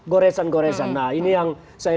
goresan goresan nah ini yang saya